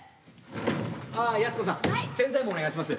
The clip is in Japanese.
ああ靖子さん洗剤もお願いします。